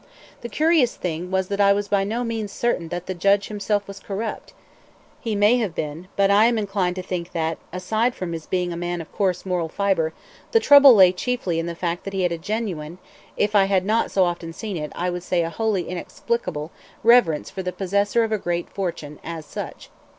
The curious thing was that I was by no means certain that the judge himself was corrupt. He may have been; but I am inclined to think that, aside from his being a man of coarse moral fiber, the trouble lay chiefly in the fact that he had a genuine if I had not so often seen it, I would say a wholly inexplicable reverence for the possessor of a great fortune as such.